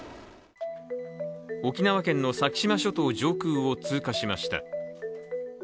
沖縄県の先島諸島上空を通過しました。